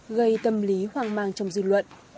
gây tâm lý hoang mang trong dư luận